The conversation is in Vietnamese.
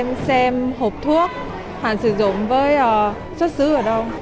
em xem hộp thuốc hoàn sử dụng với xuất xứ ở đâu